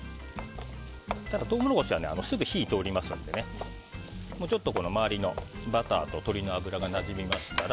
トウモロコシはすぐ火が通りますのでちょっと周りのバターと鶏の脂がなじみましたら